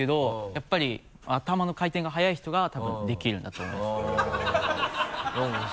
やっぱり頭の回転が早い人が多分できるんだと思うんですけどおっ。